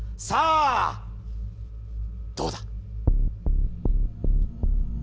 さあどうだ！？